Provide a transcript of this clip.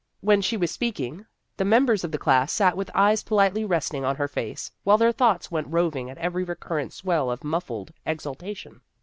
When she was speaking, the members of the class sat with eyes politely resting on her face while their thoughts went roving at every recurrent swell of muffled exultation.